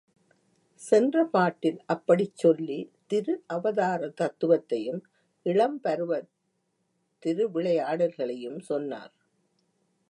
சென்ற பாட்டில் அப்படிச் சொல்லி, திரு அவதாரதத்துவத்தையும், இளம்பருவத் திருவிளையாடல்களையும் சொன்னார்.